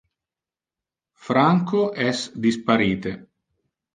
Franco es disparite.